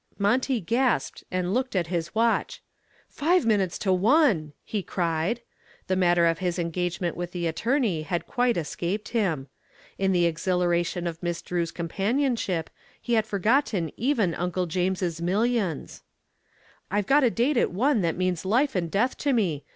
Monty gasped and looked at his watch. "Five minutes to one," he cried. The matter of his engagement with the attorney had quite escaped him. In the exhilaration of Miss Drew's companionship he had forgotten even Uncle James's millions. "I've got a date at one that means life and death to me.